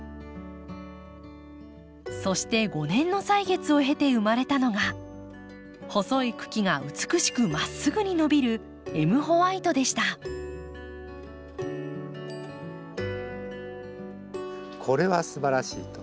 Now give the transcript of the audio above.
そして５年の歳月を経て生まれたのが細い茎が美しくまっすぐに伸びるこれはすばらしいと。